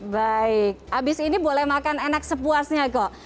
baik abis ini boleh makan enak sepuasnya kok